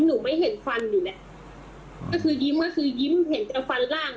หนูไม่เห็นฟันอยู่แล้วก็คือยิ้มก็คือยิ้มเห็นแต่ฟันร่าง